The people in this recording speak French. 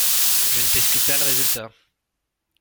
Je ne t’explique pas le résultat!